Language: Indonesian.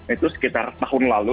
itu sekitar tahun lalu